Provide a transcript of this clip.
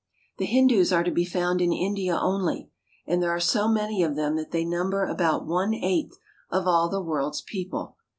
The Hindus are to be found in India only, and there are so many of them that they num ber about one eighth of all the world's people.